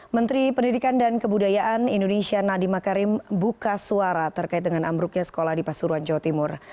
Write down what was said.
menteri pendidikan dan kebudayaan indonesia nadiem makarim buka suara terkait dengan ambruknya sekolah di pasuruan jawa timur